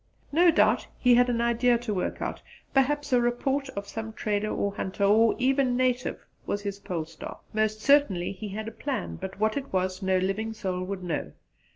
No doubt he had an idea to work out; perhaps a report of some trader or hunter or even native was his pole star: most certainly he had a plan, but what it was no living soul would know.